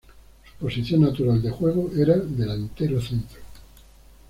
Su posición natural de juego era delantero centro.